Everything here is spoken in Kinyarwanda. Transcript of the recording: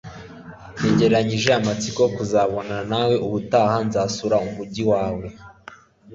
ntegerezanyije amatsiko kuzabonana nawe ubutaha nzasura umujyi wawe